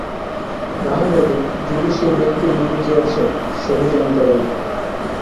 তাহা হইলে যোগী সেই ব্যক্তির মনে কি আছে, সবই জানিতে পারিবেন।